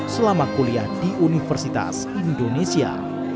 selama kuliah di universitas indonesia